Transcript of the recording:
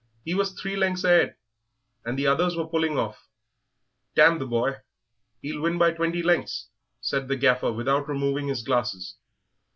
He was three lengths a'ead, and the others were pulling off. 'Damn the boy; he'll win by twenty lengths,' said the Gaffer, without removing his glasses.